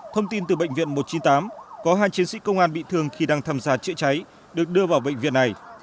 thông tin từ bệnh viện một trăm chín mươi tám có hai chiến sĩ công an bị thương khi đang tham gia chữa cháy được đưa vào bệnh viện này